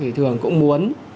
thì thường cũng muốn